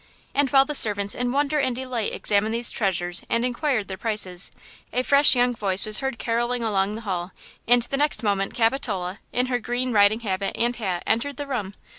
And while the servants in wonder and delight examined these treasures and inquired their prices, a fresh young voice was heard carolling along the hall, and the next moment Capitola, in her green riding habit and hat entered the room.